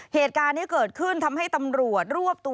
เหตุการณ์นี้เกิดขึ้นทำให้ตำรวจรวบตัว